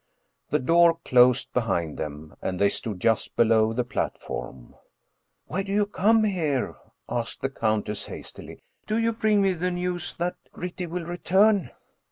The door closed behind them, and they stood just below the platform. " Why do you come here ?" asked the countess hastily. " Do you bring me the news that Gritti will return